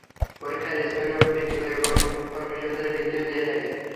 পরীক্ষার স্কোরের ওপর ভিত্তি করে কোনো কোনো বিশ্ববিদ্যালয় বৃত্তিও দিয়ে থাকে।